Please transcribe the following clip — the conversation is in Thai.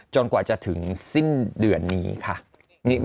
กว่าจะถึงสิ้นเดือนนี้ค่ะ